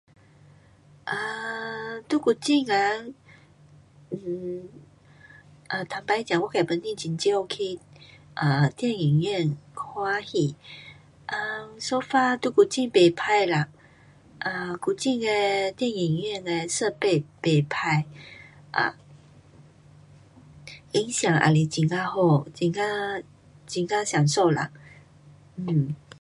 um 在古晋啊 um 每次这我自己本身很少去 um 电影院看戏。[um]so far 在古晋不错啦 um 古晋的电影院的设备不错 um 音响也是很啊好，很啊，很啊享受啦 um